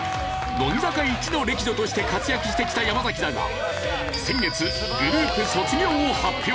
乃木坂イチの歴女として活躍してきた山崎だが先月グループ卒業を発表。